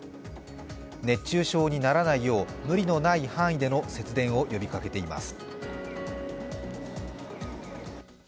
熱中症にならないよう無理のない範囲での節電を呼びかけています。